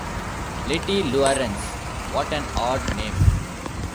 Lettie Laurence, — what an odd name!